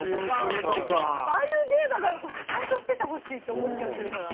ああいう芸だからこそちゃんとしててほしいって思っちゃってるから。